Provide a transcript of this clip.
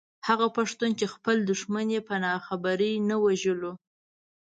هغه پښتون چې خپل دښمن يې په ناخبرۍ نه وژلو.